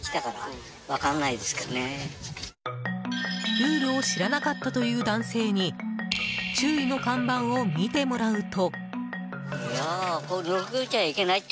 ルールを知らなかったという男性に注意の看板を見てもらうと。